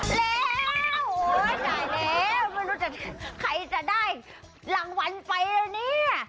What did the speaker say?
เร็วโอ้นายเร็วไม่รู้ใจใครจะได้รางวัลไปเนี่ย